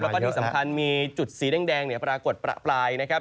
แล้วก็ที่สำคัญมีจุดสีแดงปรากฏประปรายนะครับ